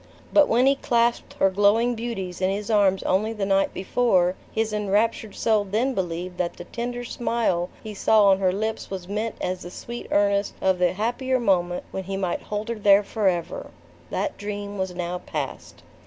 But when he clasped her glowing beauties in his arms only the night before, his enraptured soul then believed that the tender smile he saw on her lips was meant as the sweet earnest of the happier moment, when he might hold her there forever! That dream was now past.